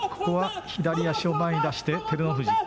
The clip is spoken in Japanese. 左足を前に出して照ノ富士。